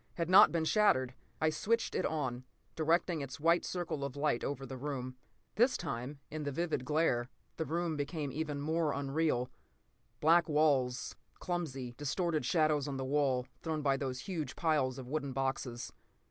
had not been shattered. I switched it on, directing its white circle of light over the room. This time, in the vivid glare, the room became even more unreal. Black walls, clumsy, distorted shadows on the wall, thrown by those huge piles of wooden boxes.